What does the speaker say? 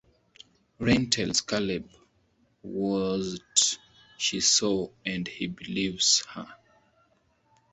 Rain tells Caleb what she saw and he believes her.